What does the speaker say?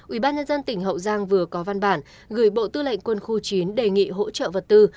ubnd tỉnh hậu giang vừa có văn bản gửi bộ tư lệnh quân khu chín đề nghị hỗ trợ vật tư